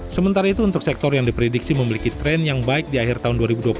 sementara itu untuk sektor yang diprediksi memiliki tren yang baik di akhir tahun dua ribu dua puluh satu